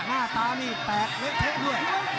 แปลกเล็กเทคด้วย